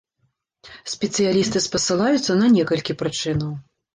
Спецыялісты спасылаюцца на некалькі прычынаў.